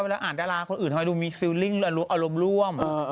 แต่ในเล่าอ่านในดาราค่วงอื่นทำไมมีอารมณ์ร่วม